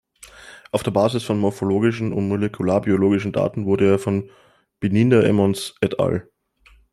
Auf der Basis von morphologischen und molekularbiologischen Daten wurde er von Binninda-Emonds et al.